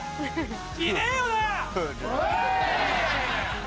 いねえよな！